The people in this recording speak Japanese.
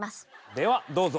ではどうぞ。